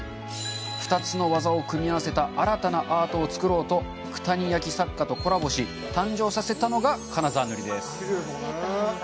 ２つの技を組み合わせた新たなアートを作ろうと九谷焼作家とコラボし、誕生させたのが金沢塗りです。